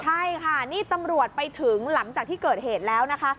ใช่ค่ะนี่ตำรวจไปถึงหลังจากที่เกิดเหตุแล้วนะคะ